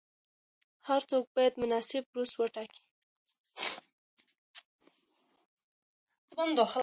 هر څوک باید مناسب برس وټاکي.